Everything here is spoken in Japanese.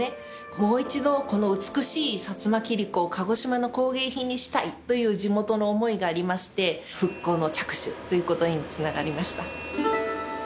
もう一度この美しい薩摩切子を鹿児島の工芸品にしたいという地元の思いがありまして復興の着手ということにつながりました